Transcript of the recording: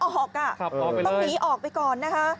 ต้องออกต้องหนีออกไปก่อนนะคะ